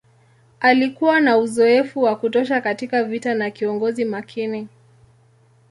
Alikuwa na uzoefu wa kutosha katika vita na kiongozi makini.